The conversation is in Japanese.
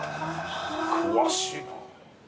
詳しいな。